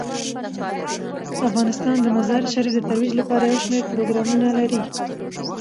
افغانستان د مزارشریف د ترویج لپاره یو شمیر پروګرامونه لري.